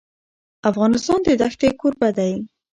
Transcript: افغانستان د دښتې کوربه دی.